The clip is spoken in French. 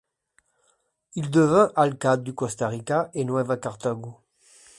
Il devint alcalde du Costa Rica y Nueva Cartago.